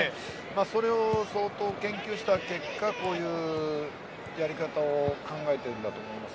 それを、相当研究した結果こういうやり方を考えていると思います。